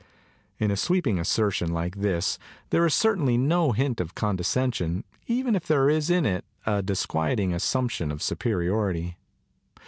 In a sweeping assertion like this there is cer tainly no hint of condescension, even if there is in it a disquieting assumption of superiority.